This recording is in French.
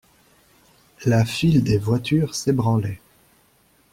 La file des voitures s'ébranlait.